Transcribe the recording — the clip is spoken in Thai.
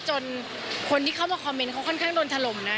จนคนที่เข้ามาคอมเมนต์เขาค่อนข้างโดนถล่มนะ